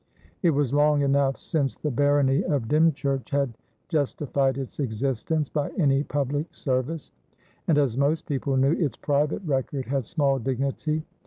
It was long enough since the barony of Dymchurch had justified its existence by any public service, and, as most people knew, its private record had small dignity.